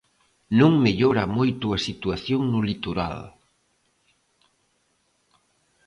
Non mellora moito a situación no litoral.